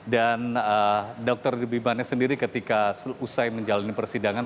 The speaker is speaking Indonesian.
dan dr bimanesh sendiri ketika selesai menjalani persidangan